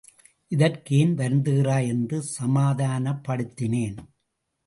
இதற்கு ஏன் வருந்துகிறாய் என்று சமாதானப்படுத்தினேன்.